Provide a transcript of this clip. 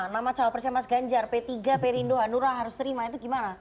nama cawapresnya mas ganjar p tiga perindo hanura harus terima itu gimana